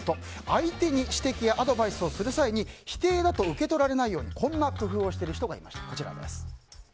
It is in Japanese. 相手に指摘やアドバイスをする際に否定だと受け取られないようにこんな工夫をしている人がいました。